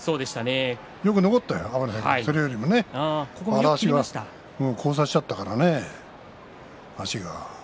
よく残ったよ、それよりも足が交差しちゃったからね。